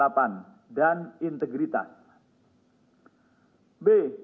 e badan intelijen negara